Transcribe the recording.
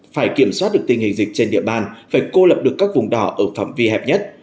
phải kiểm soát được tình hình dịch trên địa bàn phải cô lập được các vùng đỏ ở phạm vi hẹp nhất